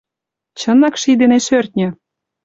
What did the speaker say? Чынак ший ден шӧртньӧ.